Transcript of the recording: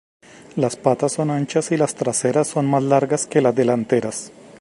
Las patas son anchas y las traseras son más largas que las delanteras.